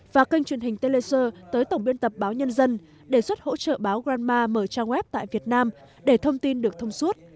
và kênh truyền hình telecur tới tổng biên tập báo nhân dân đề xuất hỗ trợ báo granma mở trang web tại việt nam để thông tin được thông suốt